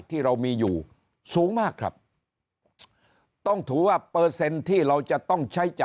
ที่เรามีอยู่สูงมากครับต้องถือว่าเปอร์เซ็นต์ที่เราจะต้องใช้จ่าย